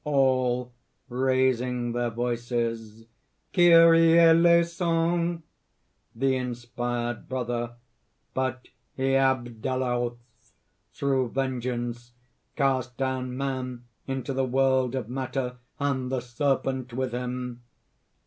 ALL (raising their voices): "Kyrie Eleison!" THE INSPIRED BROTHER. "But Iabdalaoth through vengeance cast down man into the world of matter, and the Serpent with him."